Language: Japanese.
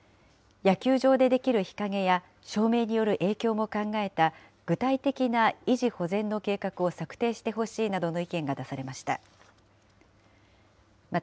野球場でできる日陰や照明による影響も考えた具体的な維持保全の計画を策定してほしいなどの意見が出されました。